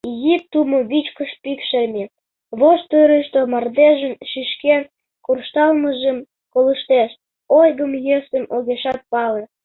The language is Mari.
Изи тумо вичкыж пӱкшерме воштырышто мардежын шӱшкен куржталмыжым колыштеш, ойгым-йӧсым огешат пале.